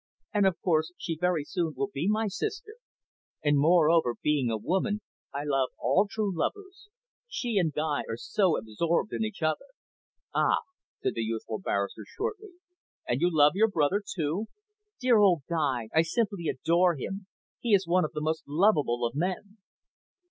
"And, of course, she very soon will be my sister. And, moreover, being a woman, I love all true lovers. She and Guy are so absorbed in each other." "Ah!" said the youthful barrister shortly. "And you love your brother too?" "Dear old Guy! I simply adore him. He is one of the most lovable of men."